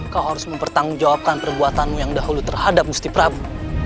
kau harus mempertanggungjawabkan perbuatanmu yang dahulu terhadap gusti prabu